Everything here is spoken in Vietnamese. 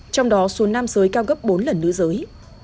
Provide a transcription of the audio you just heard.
trong đó số nam giới cao gấp bốn lần nữ giới